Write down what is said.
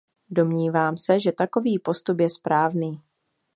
Domnívám se, že takový postup je správný.